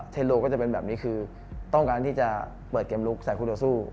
เทโลก็จะเป็นแบบนี้คือต้องการที่จะเปิดเกมลุกใส่คู่ต่อสู้